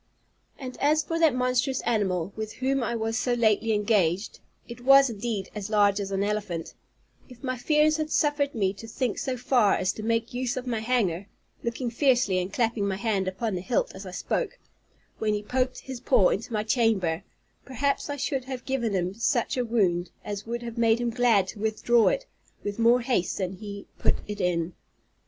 And as for that monstrous animal, with whom I was so lately engaged (it was indeed as large as an elephant), if my fears had suffered me to think so far as to make use of my hanger (looking fiercely, and clapping my hand upon the hilt, as I spoke) when he poked his paw into my chamber, perhaps I should have given him such a wound, as would have made him glad to withdraw it, with more haste than he put it in.